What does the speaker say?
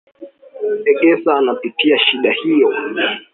Egesa anapitia shida hiyo